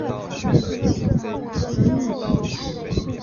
海斯县位美国德克萨斯州中南部的一个县。